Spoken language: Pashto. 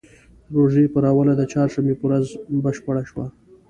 د روژې پر اوله د چهارشنبې په ورځ بشپړه شوه.